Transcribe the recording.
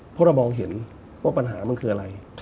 เพราะเรามองเห็นว่าปัญหามันคืออะไร